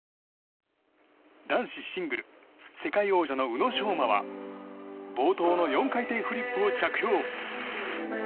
男子シングル世界王者の宇野昌磨は冒頭の４回転フリップを着氷。